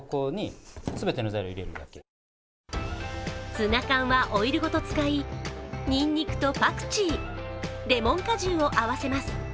ツナ缶はオイルごと使い、にんにくとパクチー、レモン果汁を合わせます。